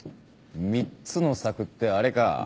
３つの策ってあれか。